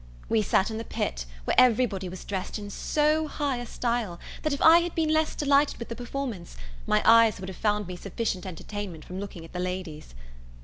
We sat in the pit, where every body was dressed in so high a style, that if I had been less delighted with the performance, my eyes would have found me sufficient entertainment from looking at the ladies.